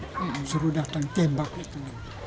disuruh datang tembak itu